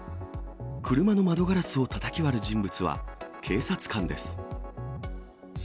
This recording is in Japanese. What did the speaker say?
車の窓ガラスをたたき割る人物は、警察官です。